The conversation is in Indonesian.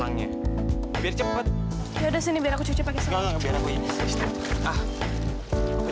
enggak enggak biar aku ini